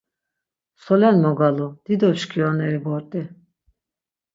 Solen mogalu, dido mşkorineri bort̆i!